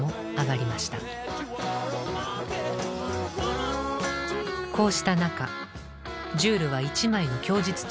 こうした中ジュールは一枚の供述調書を作ります。